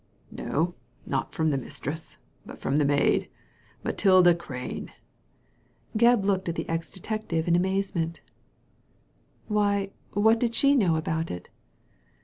" No, not from the mistress, but from the maid — Matilda Crane." Gebb looked at the ex detective in amazement • Why, what did she know about it